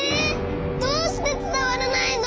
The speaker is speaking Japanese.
どうしてつたわらないの？